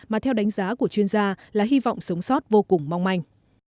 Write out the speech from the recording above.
mà theo đánh giá của chuyên gia là hy vọng sống sót vô cùng mong manh